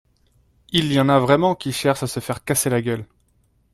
Il y en a vraiment qui cherchent à se faire casser la gueule